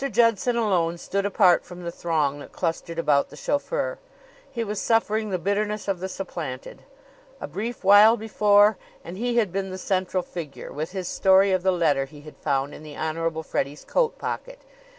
Judson alone stood apart from the throng that clustered about the chauffeur. He was suffering the bitterness of the supplanted. A brief while before and he had been the central figure, with his story of the letter he had found in the Honorable Freddie's coat pocket.